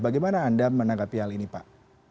bagaimana anda menanggapi hal ini pak